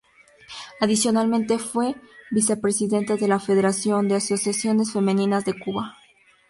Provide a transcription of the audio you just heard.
Adicionalmente, fue vicepresidenta de la Federación de Asociaciones Femeninas de Cuba.